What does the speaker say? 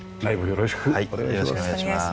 よろしくお願いします。